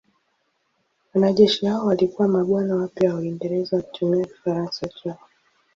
Wanajeshi hao walikuwa mabwana wapya wa Uingereza wakitumia Kifaransa chao.